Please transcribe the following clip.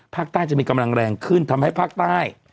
ก็จะมีกำลังแรงขึ้นทำให้ภาคใต้